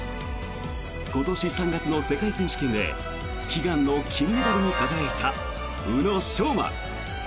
今年３月の世界選手権で悲願の金メダルに輝いた宇野昌磨。